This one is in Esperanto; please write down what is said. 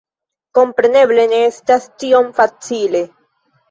Kompreneble, ne estas tiom facile.